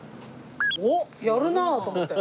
おっやるなあと思って。